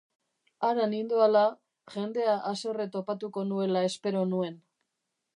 Hara nindoala, jendea haserre topatuko nuela espero nuen.